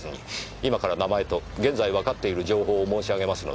今から名前と現在わかっている情報を申し上げますので。